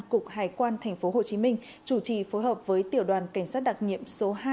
cục hải quan tp hcm chủ trì phối hợp với tiểu đoàn cảnh sát đặc nhiệm số hai